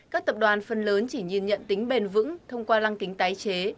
các tập đoàn phần lớn chỉ nhìn nhận tính bền vững thông qua lăng kính tái chế